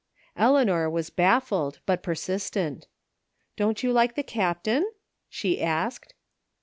'* Eleanor was baffled, but persistent " Don't you like the Captain? " she asked.